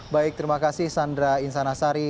baik terima kasih sandra insanasari